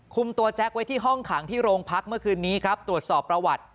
คุมตัวแจ็คไว้ที่ห้องขังที่โรงพักเมื่อคืนนี้ครับตรวจสอบประวัติ